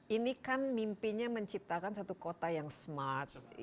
ini kan mimpinya menciptakan satu kota yang smart